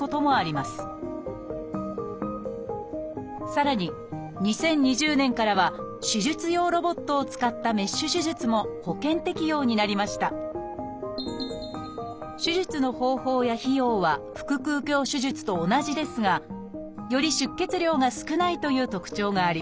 さらに２０２０年からは手術用ロボットを使ったメッシュ手術も保険適用になりました手術の方法や費用は腹くう鏡手術と同じですがより出血量が少ないという特徴があります。